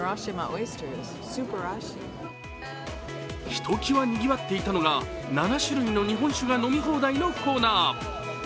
ひときわにぎわっていたのが７種類の日本酒が飲み放題のコーナー。